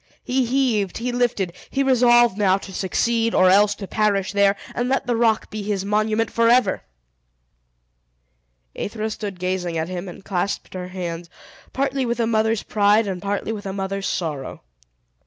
He heaved, he lifted, he resolved now to succeed, or else to perish there, and let the rock be his monument forever! Aethra stood gazing at him, and clasped her hands, partly with a mother's pride, and partly with a mother's sorrow.